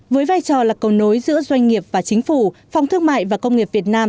với vai trò là cầu nối giữa doanh nghiệp và chính phủ phòng thương mại và công nghiệp việt nam